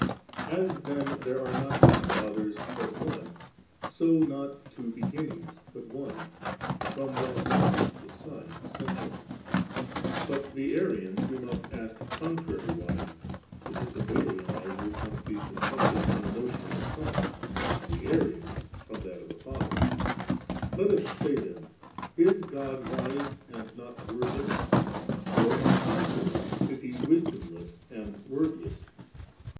As then there are not two Fathers, but One, so not two Beginnings, but On^ and from that One the Son essential 4. But the Arians we must ask contrariwise: (for the Sabellianisers must be confrited from the notion of a Son, and the Arians from that of a Father:) let us say then— Is God wise and not word less: or on the contiaiy, is He wisdom less and word less'?